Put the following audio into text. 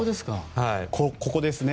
ここですね。